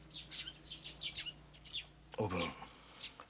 おぶん。